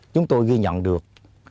chúng tôi ghi nhận được